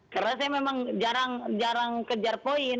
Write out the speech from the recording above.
karena saya memang jarang jarang kejar poin